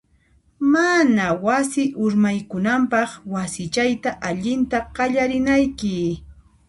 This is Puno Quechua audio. Mana wasi urmaykunanpaq, wasichayta allinta qallarinayki.